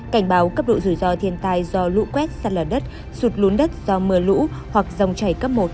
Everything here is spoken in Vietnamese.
cảnh báo cấp độ rủi ro thiên tai do lũ quét sạt lở đất sụt lún đất do mưa lũ hoặc dòng chảy cấp một